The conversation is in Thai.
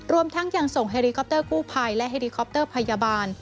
รวมทั้งยังส่งเฮลีคอปเตอร์กู้ภัยและเฮริคอปเตอร์พยาบาล